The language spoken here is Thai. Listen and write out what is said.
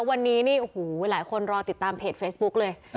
วันนี้นี่โอ้โหหลายคนรอติดตามเพจเฟซบุ๊กเลย